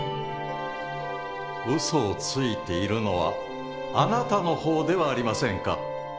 ウソをついているのはあなたの方ではありませんか？